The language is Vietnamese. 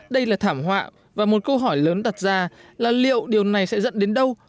đây là thảm họa và một câu hỏi lớn đặt ra là liệu điều này sẽ dẫn đến đâu